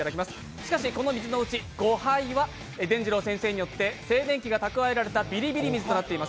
しかしこの水のうち５杯はでんじろう先生によって静電気が蓄えられたビリビリ水となっています。